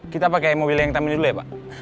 kita pake mobil yang tam ini dulu ya pak